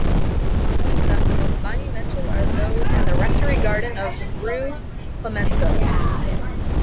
Among them, the most monumental are those in the rectory garden of rue Clemenceau.